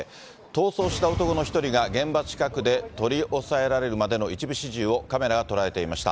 逃走した男の１人が現場近くで、取り押さえられるまでの一部始終を、カメラが捉えていました。